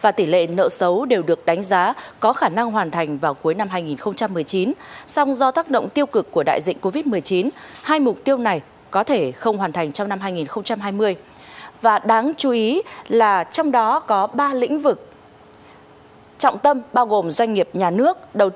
và tiếp sau đây sẽ là chuyên mục điểm báo